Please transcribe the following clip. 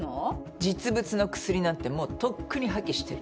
実物の薬なんてもうとっくに破棄してる。